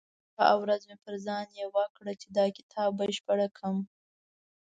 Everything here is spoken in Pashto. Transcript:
شپه او ورځ مې پر ځان يوه کړه چې دا کتاب بشپړ کړم.